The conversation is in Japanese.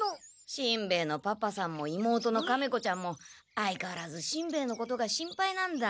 しんべヱのパパさんも妹のカメ子ちゃんも相かわらずしんべヱのことが心配なんだ。